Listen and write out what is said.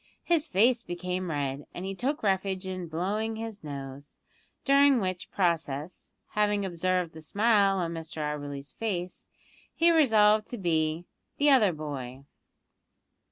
His face became red, and he took refuge in blowing his nose, during which process having observed the smile on Mr Auberly's face he resolved to be "the other boy."